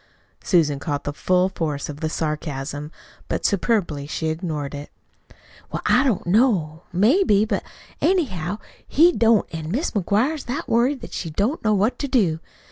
Susan caught the full force of the sarcasm, but superbly she ignored it. "Well, I don't know maybe; but, anyhow, he don't, an' Mis' McGuire's that worried she don't know what to do.